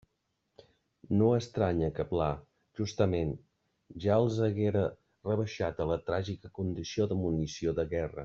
No estranye que Pla, justament, ja els haguera rebaixat a la tràgica condició de munició de guerra.